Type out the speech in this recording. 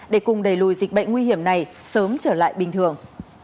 để cùng đẩy lùi dịch bệnh nguy hiểm này sớm trở lại bình thường